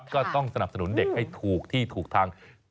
ก็ต้องสนับสนุนเด็กให้ถูกที่ถูกทาง